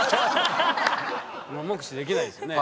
目視できないですよね。